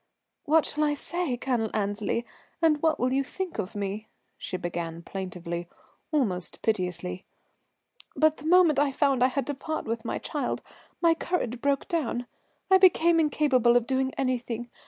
"What shall I say, Colonel Annesley, and what will you think of me?" she began plaintively, almost piteously. "But the moment I found I had to part with my child my courage broke down. I became incapable of doing anything.